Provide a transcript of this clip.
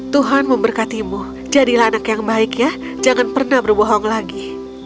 tuhan memberkatimu jadilah anak yang baik ya jangan pernah berbohong lagi